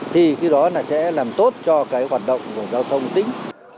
thì cái đó là sẽ làm tốt cho cái hoạt động của giao thông tỉnh